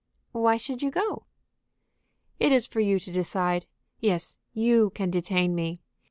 "Why should you go?" "It is for you to decide. Yes, you can detain me.